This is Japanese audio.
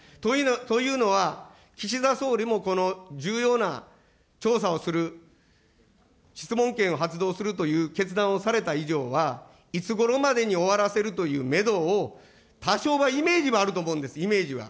というのは、岸田総理もこの重要な調査をする、質問権を発動するという決断をされた以上は、いつごろまでに終わらせるというメドを多少はイメージはあると思うんです、イメージは。